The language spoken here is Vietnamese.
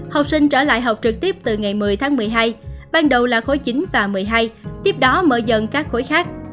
học sinh trở lại học trực tiếp từ ngày một mươi tháng một mươi hai ban đầu là khối chín và một mươi hai tiếp đó mở dần các khối khác